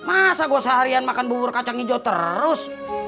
masa gue seharian makan bubur kacang hijau terus